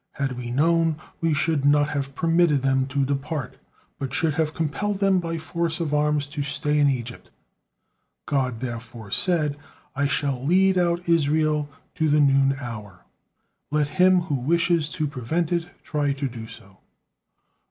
Had we known, we should not have permitted them to depart, but should have compelled them by force of arms to stay in Egypt." God therefore said: "I shall lead out Israel to the noon hour. Let him who wishes to prevent it try to do so."